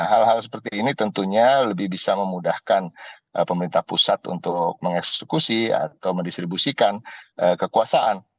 hal hal seperti ini tentunya lebih bisa memudahkan pemerintah pusat untuk mengeksekusi atau mendistribusikan kekuasaan